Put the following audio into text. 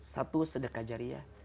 satu sedekah jariah